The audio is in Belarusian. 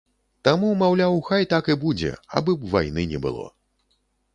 Таму, маўляў, хай так і будзе, абы б вайны не было.